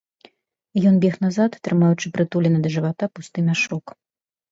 Ён бег назад, трымаючы прытулены да жывата пусты мяшок.